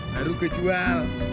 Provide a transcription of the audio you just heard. baru gue jual